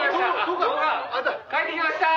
帰ってきました！」